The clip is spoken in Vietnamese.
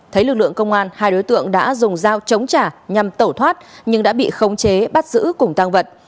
thấy lực lượng công an hai đối tượng đã dùng dao chống trả nhằm tẩu thoát nhưng đã bị khống chế bắt giữ cùng tăng vật